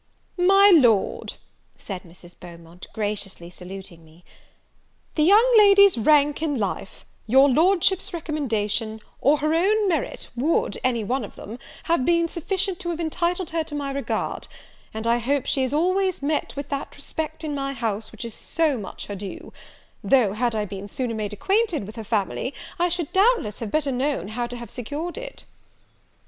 "My Lord," said Mrs. Beaumont, graciously saluting me, "the young lady's rank in life, your Lordship's recommendation, or her own merit, would, any one of them, have been sufficient to have entitled her to my regard; and I hope she has always met with that respect in my house which is so much her due; though, had I been sooner made acquainted with her family, I should doubtless have better known how to have secured it."